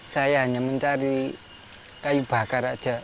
saya hanya mencari kayu bakar saja